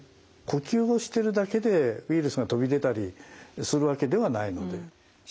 呼吸をしてるだけでウイルスが飛び出たりするわけではないので。